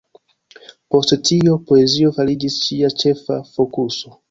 Post tio, poezio fariĝis ŝia ĉefa fokuso.